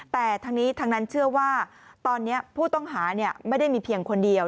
แต่ทั้งนี้ทั้งนั้นเชื่อว่าตอนนี้ผู้ต้องหาไม่ได้มีเพียงคนเดียว